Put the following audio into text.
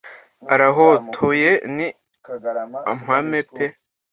Arahotoye ni impame pe